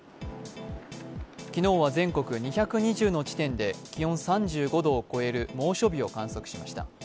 昨日は全国２２０の地点で気温３５度を超える猛暑日を観測しました。